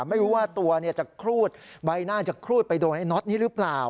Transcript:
ไม่รู้ว่าตัวจะครูดใบหน้าจะครูดไปโดนไอ้น็อตนี้หรือเปล่า